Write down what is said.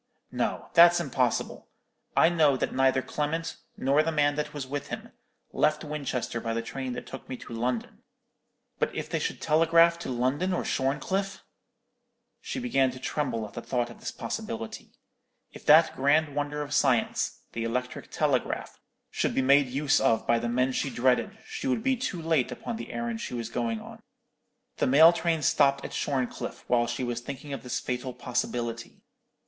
No, that's impossible. I know that neither Clement, nor the man that was with him, left Winchester by the train that took me to London. But if they should telegraph to London or Shorncliffe?" She began to tremble at the thought of this possibility. If that grand wonder of science, the electric telegraph, should be made use of by the men she dreaded, she would be too late upon the errand she was going on. The mail train stopped at Shorncliffe while she was thinking of this fatal possibility.